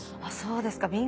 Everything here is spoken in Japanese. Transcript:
あっそうですか。